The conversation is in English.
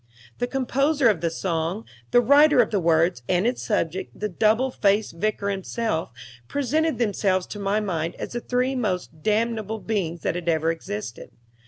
The composer of that song, the writer of the words, and its subject, the double faced Vicar himself, presented themselves to my mind as the three most damnable beings that had ever existed.